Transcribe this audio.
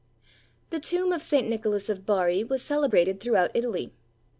The tomb of St. Nicholas of Barri was celebrated throughout Italy.